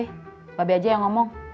pak be aja yang ngomong